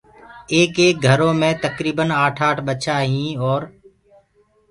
ايڪيڪ گھرو مي تڪريٚبن آٺ آٺ ٻچآ هين اور